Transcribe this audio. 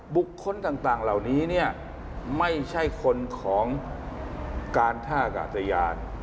บุคคลต่างเหล่านี้เนี่ยไม่ใช่คนของการท่ากาศยาน